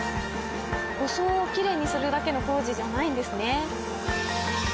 装をきれいにするだけの工事じゃないんですね。